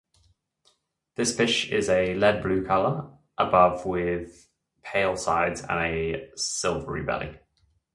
This fish is a lead-blue color above with pale sides and a silvery belly.